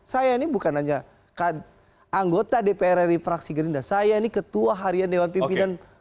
saya ini bukan hanya anggota dpr dari fraksi gerindra saya ini ketua harian dewan pimpinan